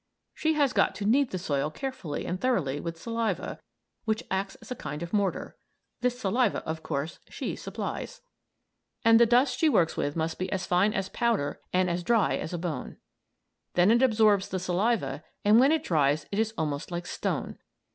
She has got to knead the soil carefully and thoroughly with saliva, which acts as a kind of mortar. This saliva, of course, she supplies. And the dust she works with must be as fine as powder and as dry as a bone. Then it absorbs the saliva, and when it dries it is almost like stone.